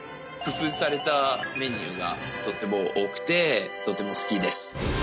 工夫されたメニューがとても多くてとても好きです。